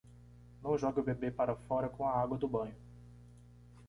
Não jogue o bebê para fora com a água do banho.